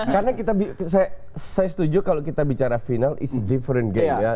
karena saya setuju kalau kita bicara final it's a different game ya